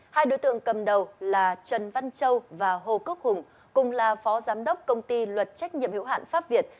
hai đối tượng cầm đầu là trần văn châu và hồ quốc hùng cùng là phó giám đốc công ty luật trách nhiệm hiệu hạn pháp việt